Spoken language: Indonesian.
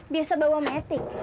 biasa bawa metik